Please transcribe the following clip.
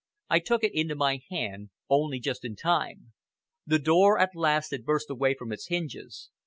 I took it into my hand, only just in time. The door at last had burst away from its hinges.